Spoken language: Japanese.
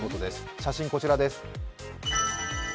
写真、こちらです。